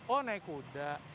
oh naik kuda